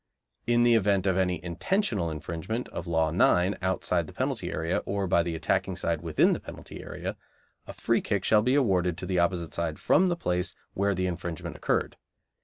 In the event of any intentional infringement of Law 9 outside the penalty area or by the attacking side within the penalty area, a free kick shall be awarded to the opposite side from the place where the infringement occurred.